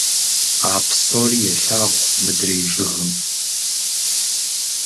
А псори елъагъу мыдрей жыгым.